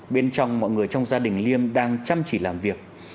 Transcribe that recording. bên trong mọi người trong gia đình liêm đang chăm chỉ làm việc